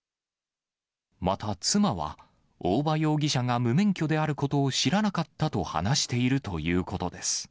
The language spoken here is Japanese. また妻は、大場容疑者が無免許であることを知らなかったと話しているということです。